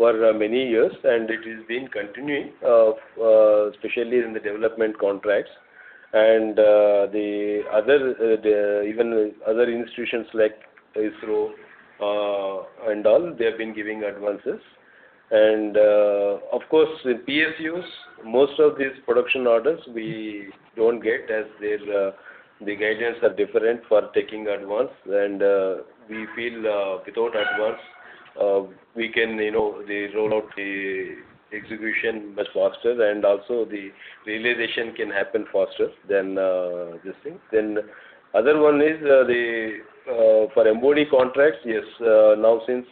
for many years, and it has been continuing, especially in the development contracts. The other, even other institutions like ISRO, and all, they have been giving advances. Of course, with PSUs, most of these production orders we don't get as their guidelines are different for taking advance. We feel, without advance, we can, you know, they roll out the execution much faster, and also the realization can happen faster than this thing. Then the other one is for MOD contracts. Yes, now since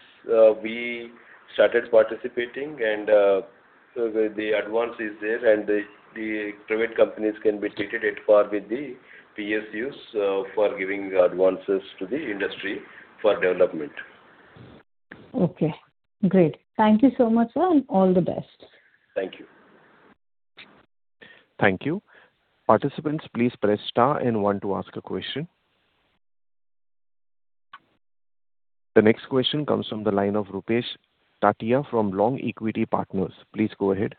we started participating and so the advance is there, and the private companies can be treated at par with the PSUs for giving advances to the industry for development. Okay, great. Thank you so much, sir, and all the best. Thank you. Thank you. Participants, please press star and one to ask a question. The next question comes from the line of Rupesh Tatiya from Long Equity Partners. Please go ahead.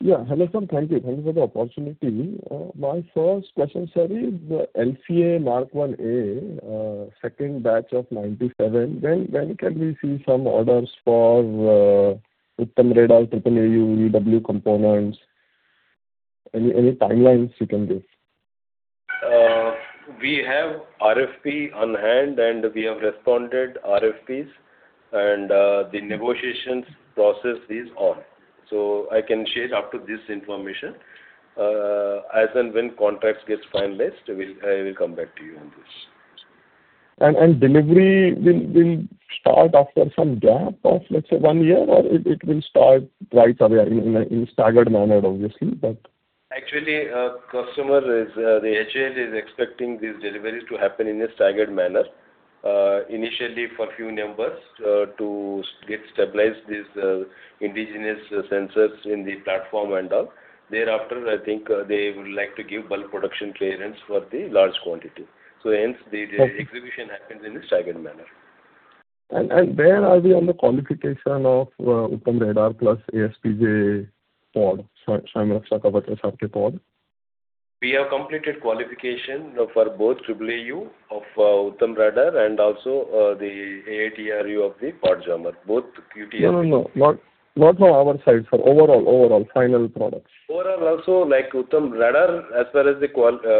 Yeah. Hello, sir. Thank you. Thank you for the opportunity. My first question, sir, is the LCA Mark 1A, second batch of 97, when, when can we see some orders for Uttam Radar, AAAU, EW components? Any timelines you can give? We have RFP on hand, and we have responded RFPs, and, the negotiations process is on. So I can share up to this information. As and when contracts gets finalized, we'll, I will come back to you on this. Delivery will start after some gap of, let's say, one year, or it will start right away in a staggered manner, obviously, but? Actually, the customer is, the HAL is expecting these deliveries to happen in a staggered manner. Initially for few numbers, to get stabilized these, indigenous sensors in the platform and all. Thereafter, I think, they would like to give bulk production clearance for the large quantity. So hence, the- Yeah. execution happens in a staggered manner. And where are we on the qualification of Uttam Radar plus ASPJ pod, Shyamak Rakakapatra pod? We have completed qualification for both AAAU of the Uttam Radar and also the AATRU of the pod jammer, both UTAP. No, no, no. Not, not from our side, sir. Overall, overall, final products. Overall, also, like Uttam Radar, as far as the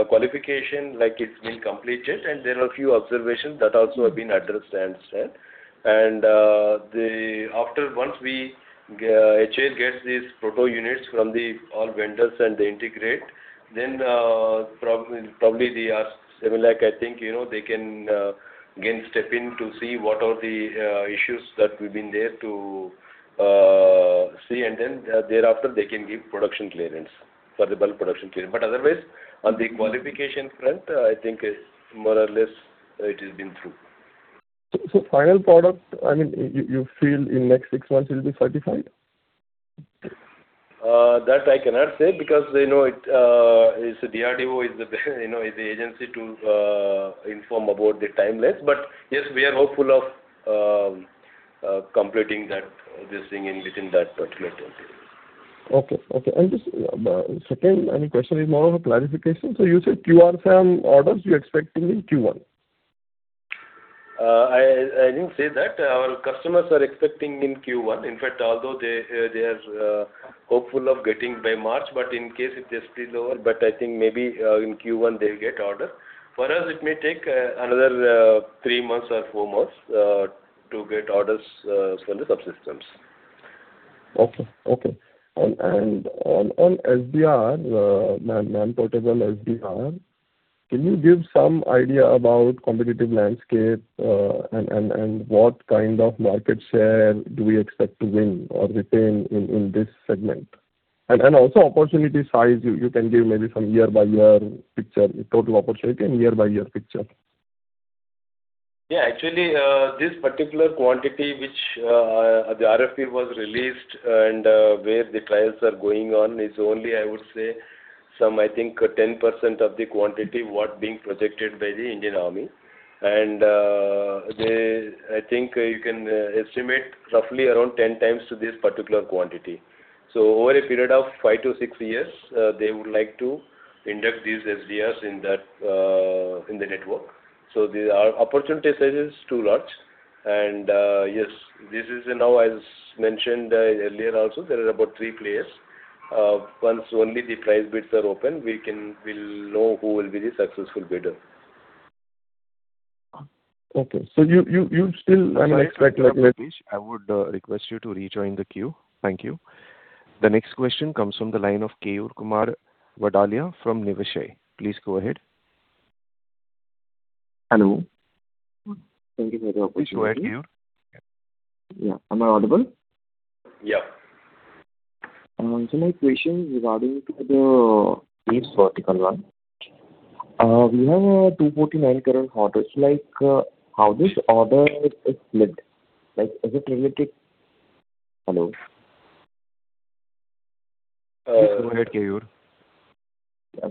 qualification, like it's been completed, and there are a few observations that also have been addressed and said. After once we, HAL gets these proto units from all vendors and they integrate, then, probably they are similar, like I think, you know, they can again step in to see what the issues that would have been there to see are, and then thereafter they can give production clearance for the bulk production clearance. But otherwise, on the qualification front, I think it more or less, it has been through. So, final product, I mean, you feel in next six months will be certified? That I cannot say because, you know, it is DRDO is the, you know, is the agency to inform about the timelines. But yes, we are hopeful of completing that, this thing in between that particular time period. Okay, okay. And just, second, and question is more of a clarification. So you said QR-SAM orders you're expecting in Q1? I didn't say that. Our customers are expecting in Q1. In fact, although they are hopeful of getting by March, but in case it just delays over, but I think maybe in Q1, they'll get order. For us, it may take another 3 months or 4 months to get orders from the subsystems. Okay, okay. And on SDR, Non-Portable SDR- ... Can you give some idea about competitive landscape, and what kind of market share do we expect to win or retain in this segment? And also opportunity size, you can give maybe some year-by-year picture, total opportunity and year-by-year picture. Yeah, actually, this particular quantity which the RFP was released and where the trials are going on is only, I would say, some, I think, 10% of the quantity what being projected by the Indian Army. And, I think you can estimate roughly around 10 times to this particular quantity. So over a period of five to six years, they would like to induct these SDRs in that, in the network. So the opportunity size is too large. And, yes, this is now, as mentioned, earlier also, there are about 3 players. Once only the price bids are open, we'll know who will be the successful bidder. Okay. So you still, I mean- I would request you to rejoin the queue. Thank you. The next question comes from the line of Keyurkumar Vadaliya from Niveshaay. Please go ahead. Hello. Thank you for the opportunity. Go ahead, Keyur. Yeah. Am I audible? Yeah. My question regarding to the space vertical one. We have a 249 crore orders, like, how this order is split? Like, is it related... Hello? Please go ahead, Keyur.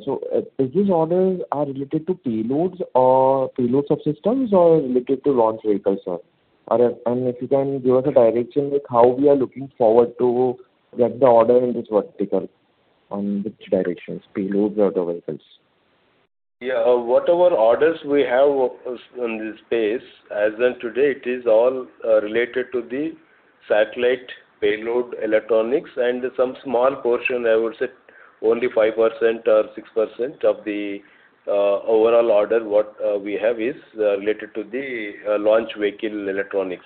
So, these orders are related to payloads or payloads of systems or related to launch vehicles, sir? And if you can give us a direction, like, how we are looking forward to get the order in this vertical, on which directions, payloads or the vehicles? Yeah, whatever orders we have of us in this space, as at today, it is all related to the satellite payload electronics, and some small portion, I would say only 5% or 6% of the overall order what we have is related to the launch vehicle electronics.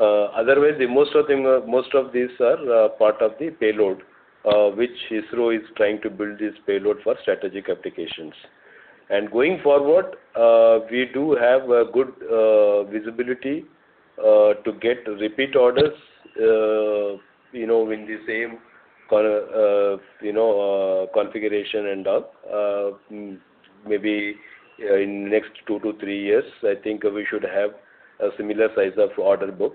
Otherwise, the most of them, most of these are part of the payload which ISRO is trying to build this payload for strategic applications. And going forward, we do have a good visibility to get repeat orders, you know, in the same you know configuration and all. Maybe in next two to three years, I think we should have a similar size of order book.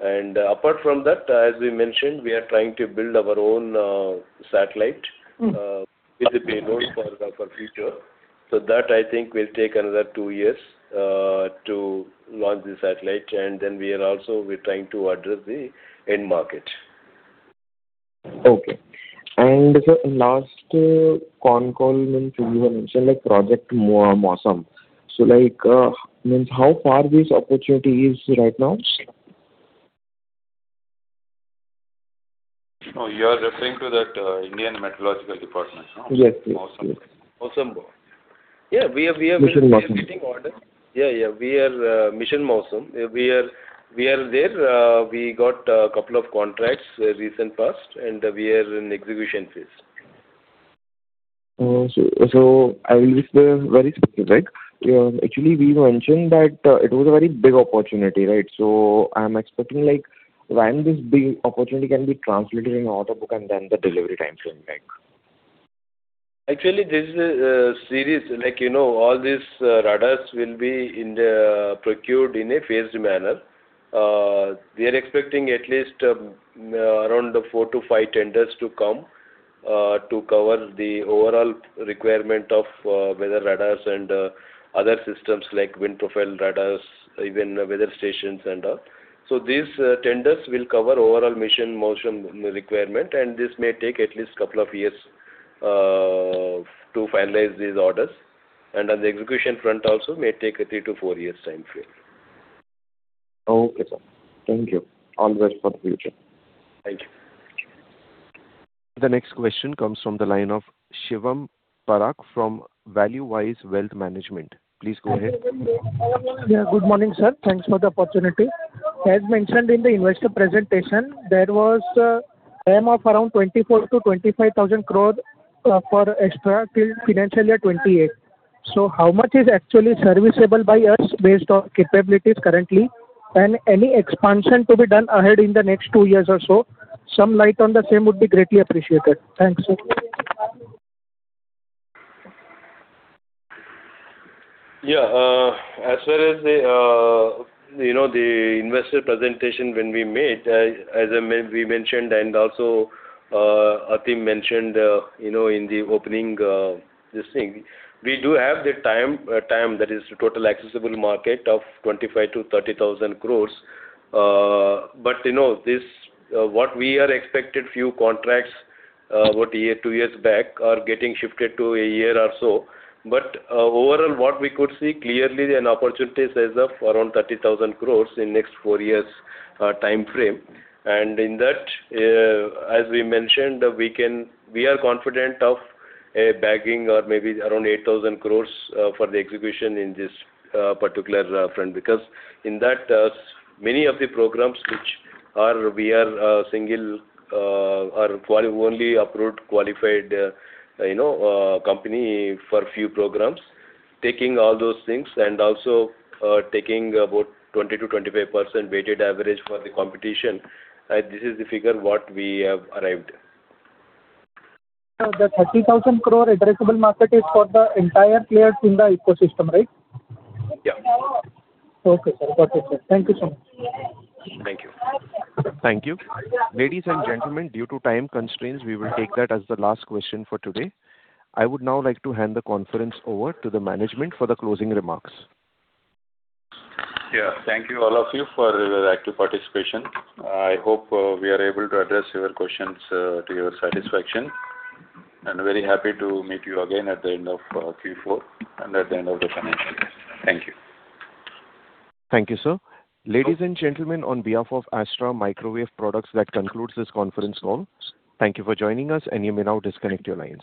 Apart from that, as we mentioned, we are trying to build our own satellite with the payload for the future. So that, I think, will take another two years to launch the satellite, and then we are also, we're trying to address the end market. Okay. And the last con call, when you mentioned, like, project Mausam. So like, means, how far this opportunity is right now? Oh, you are referring to that, India Meteorological Department, no? Yes. Mausam. Mausam. Yeah, we are, we are getting order. Yeah, yeah, we are, Mission Mausam. We are, we are there. We got a couple of contracts recent past, and we are in execution phase. So, I will be very specific, right? Actually, we mentioned that it was a very big opportunity, right? So I'm expecting, like, when this big opportunity can be translated in order book and then the delivery time frame, like? Actually, this is serious. Like, you know, all these radars will be procured in a phased manner. We are expecting at least around 4-5 tenders to come to cover the overall requirement of weather radars and other systems like Wind Profiler Radars, even weather stations and all. So these tenders will cover overall Mission Mausam requirement, and this may take at least a couple of years to finalize these orders. And on the execution front also, may take a three to four years time frame. Okay, sir. Thank you. All the best for the future. Thank you. The next question comes from the line of Shivam Parekh from ValueWise Wealth Management. Please go ahead. Good morning, sir. Thanks for the opportunity. As mentioned in the investor presentation, there was time of around 24,000 crore-25,000 crore for extra till financial year 2028. So how much is actually serviceable by us based on capabilities currently, and any expansion to be done ahead in the next two years or so? Some light on the same would be greatly appreciated. Thanks, sir. Yeah, as far as the, you know, the investor presentation when we made, we mentioned, and also, Atim mentioned, you know, in the opening, this thing, we do have the TAM, that is total addressable market, of 25,000 crore-30,000 crore. But you know, this, what we expected few contracts, about one year, two years back, are getting shifted to one year or so. But, overall, what we could see clearly an opportunity size of around 30,000 crore in next five years, time frame. And in that, as we mentioned, we can... We are confident of, bagging or maybe around 8,000 crore, for the execution in this, particular, front. Because in that, many of the programs which are, we are, single, or only approved, qualified, you know, company for a few programs, taking all those things and also, taking about 20%-25% weighted average for the competition, this is the figure what we have arrived at. The 30,000 crore addressable market is for the entire players in the ecosystem, right? Yeah. Okay, sir. Got it, sir. Thank you so much. Thank you. Thank you. Ladies and gentlemen, due to time constraints, we will take that as the last question for today. I would now like to hand the conference over to the management for the closing remarks. Yeah, thank you, all of you, for your active participation. I hope we are able to address your questions to your satisfaction. And very happy to meet you again at the end of Q4 and at the end of the financial year. Thank you. Thank you, sir. Ladies and gentlemen, on behalf of Astra Microwave Products, that concludes this conference call. Thank you for joining us, and you may now disconnect your lines.